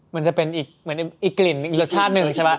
มันจะเป็นอีกกลิ่นอีกรสชาติหนึ่งใช่ปะ